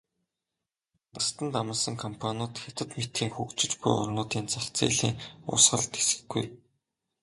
Үндэстэн дамнасан компаниуд Хятад мэтийн хөгжиж буй орнуудын зах зээлийн урсгалд тэсэхгүй.